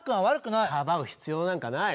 かばう必要なんかない。